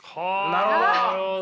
なるほど！